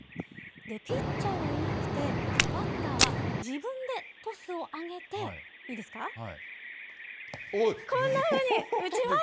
ピッチャーはいなくて、バッターは自分でトスを上げて、いいですか、こんなふうに打ちます。